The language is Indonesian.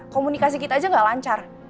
komunikasi kita aja gak lancar